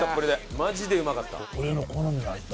マジでうまかった。